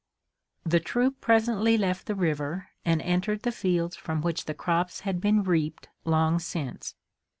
The troop presently left the river and entered the fields from which the crops had been reaped long since.